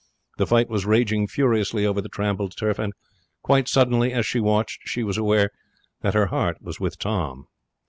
The fight was raging furiously over the trampled turf, and quite suddenly, as she watched, she was aware that her heart was with Tom.